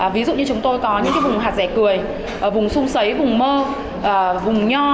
ví dụ như chúng tôi có những cái vùng hạt rẻ cười vùng sung sấy vùng mơ vùng nho